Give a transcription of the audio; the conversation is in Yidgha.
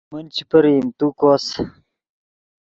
من چے پرئیم تو کوس